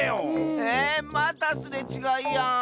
ええっまたすれちがいやん。